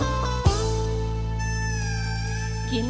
แม่งกลับมาครับ